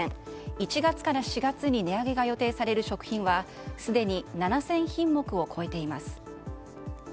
１月から４月に値上げが予定される食品はすでに７０００品目を超えています。